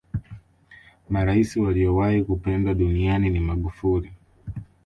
maraisi waliyowahi kupendwa duniani ni magufuli